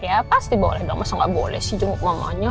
ya pasti boleh dong masa nggak boleh sih mamanya